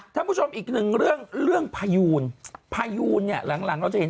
ท่านผู้ชมอีกหนึ่งเรื่องเรื่องพายูนพายูนเนี่ยหลังหลังเราจะเห็น